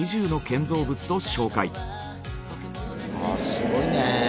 すごいね。